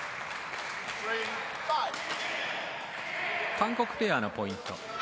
韓国ペアのポイント。